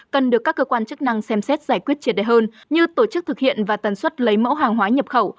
cần được các cơ quan chức năng xem xét giải quyết triệt đề hơn như tổ chức thực hiện và tần suất lấy mẫu hàng hóa nhập khẩu